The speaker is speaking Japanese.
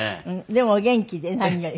でもお元気で何より。